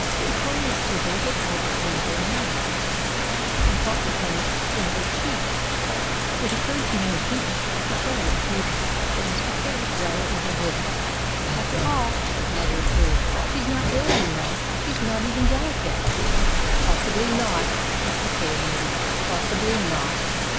Victoria surveyed it all with wondering eyes, and called the pony an old sheep. It occurred to many people, Victoria included, that Mr. Kay rather overdid it. "After all," her mother observed, "she's not ill, you know. She's not even delicate." "Possibly not," Mr. Kay admitted, "possibly not.